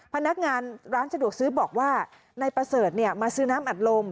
พนักงานร้านสะดวกซื้อบอกว่านายประเสริฐมาซื้อน้ำอัดลม